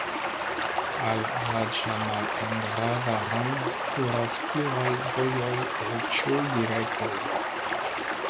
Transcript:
Al Raĝamahendravaram kuras pluraj vojoj el ĉiuj direktoj.